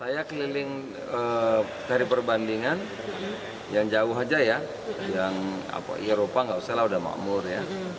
saya keliling dari perbandingan yang jauh aja ya yang eropa nggak usah lah udah makmur ya